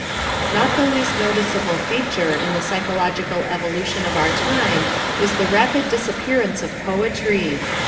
Not the least noticeable feature in the psychological evolution of our time is the rapid disappearance of poetry.